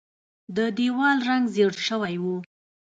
د دیوال رنګ ژیړ شوی و.